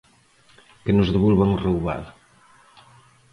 Que nos devolvan o roubado.